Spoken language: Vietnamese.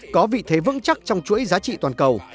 có vị thế vững chắc trong chuỗi giá trị toàn cầu